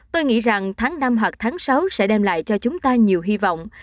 tôi nghĩ rằng tháng năm hoặc tháng sáu sẽ đem lại cho chúng ta nhiều hy vọng